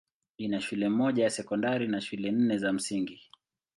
Ina shule moja ya sekondari na shule nne za msingi.